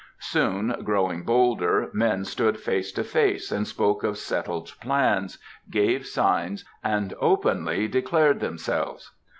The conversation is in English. Soon, growing bolder, men stood face to face and spoke of settled plans, gave signs, and openly declared themselves.